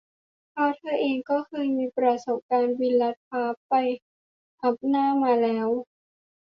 เพราะเธอเองก็เคยมีประสบการณ์บินลัดฟ้าไปอัปหน้ามาแล้ว